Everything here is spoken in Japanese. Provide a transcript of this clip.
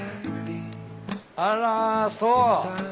あらそう。